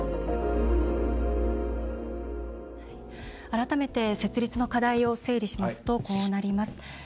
改めて設立の課題を整理しますと、こうなります。